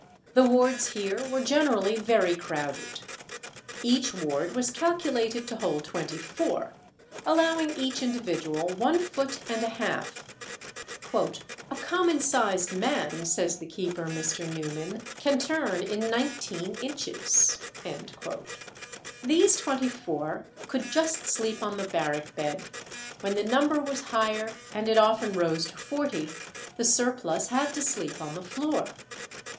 The wards here were generally very crowded. Each ward was calculated to hold twenty four, allowing each individual one foot and a half; "a common sized man," says the keeper, Mr. Newman, "can turn in nineteen inches." These twenty four could just sleep on the barrack bed; when the number was higher, and it often rose to forty, the surplus had to sleep on the floor.